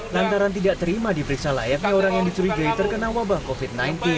lantaran tidak terima diperiksa layaknya orang yang dicurigai terkena wabah covid sembilan belas